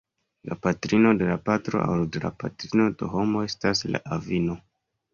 La patrino de la patro aŭ de la patrino de homo estas la avino.